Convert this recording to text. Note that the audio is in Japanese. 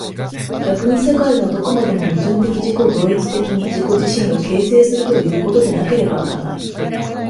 逆に世界がどこまでも矛盾的自己同一的に自己自身を形成するということでなければならない。